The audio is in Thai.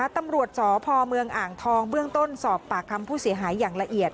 ตำรวจสพเมืองอ่างทองเบื้องต้นสอบปากคำผู้เสียหายอย่างละเอียด